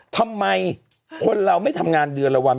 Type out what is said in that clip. ทำไมคนเราไม่ทำงานเดือนละวัน